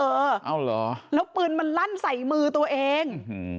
แล้วปืนมันลั่นใส่มือตัวเอง